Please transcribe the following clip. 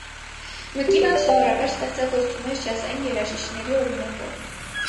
Մկիվան սովորաբար ստեղծագործում էր ջազային երաժիշտների օրինակով։